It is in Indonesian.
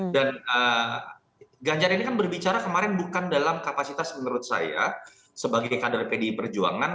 dan ganjar ini kan berbicara kemarin bukan dalam kapasitas menurut saya sebagai kader pdi perjuangan